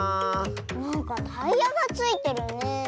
なんかタイヤがついてるねえ。